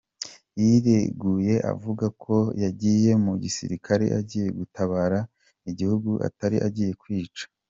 Yireguye avuga ko yagiye mu gisirikare agiye gutabara igihugu atari agiye kwica.